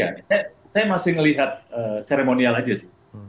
ya saya masih melihat seremonial aja sih